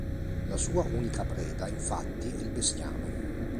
La sua unica preda, infatti, è il bestiame.